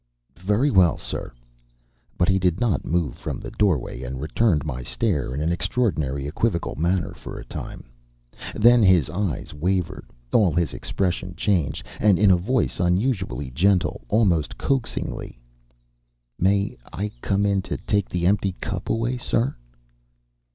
"Very well, sir." But he did not move from the doorway and returned my stare in an extraordinary, equivocal manner for a time. Then his eyes wavered, all his expression changed, and in a voice unusually gentle, almost coaxingly: "May I come in to take the empty cup away, sir?"